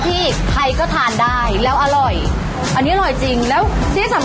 เพราะเมียเฮียเป็นคนทำนี่จ้ะ